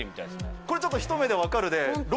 これちょっとひと目わかる！